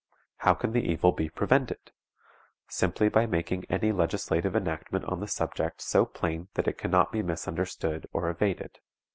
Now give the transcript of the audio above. How can the evil be prevented? Simply by making any legislative enactment on the subject so plain that it can not be misunderstood or evaded.